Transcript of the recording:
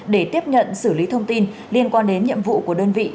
để tiếp nhận xử lý thông tin liên quan đến nhiệm vụ của đơn vị